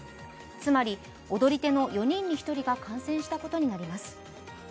つまり、踊り手の４人に１人が感染したことになります。